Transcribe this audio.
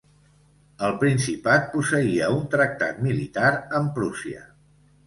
El Principat posseïa un tractat militar amb Prússia.